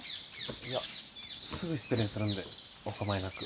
いやすぐ失礼するんでお構いなく。